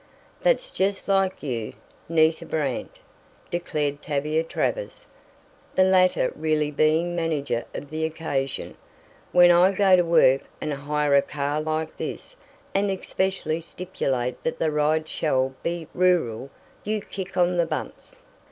"That's just like you, Nita Brant," declared Tavia Travers, the latter really being manager of the occasion. "When I go to work, and hire a car like this, and especially stipulate that the ride shall be rural you kick on the bumps."